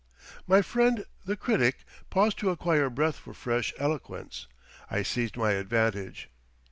My friend, the critic, paused to acquire breath for fresh eloquence. I seized my advantage.